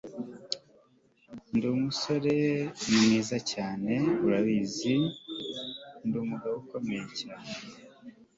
ndi umusore mwiza cyane, urabizi. ndi umugabo ukomeye cyane